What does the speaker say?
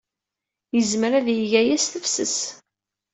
Yezmer ad yeg aya s tefses.